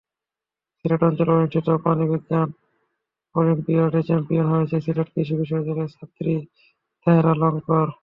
সিলেট অঞ্চলে অনুষ্ঠিত প্রাণিবিজ্ঞান অলিম্পিয়াডে চ্যাম্পিয়ন হয়েছেন সিলেট কৃষি বিশ্ববিদ্যালয়ের ছাত্রী তাহেরা লস্কর।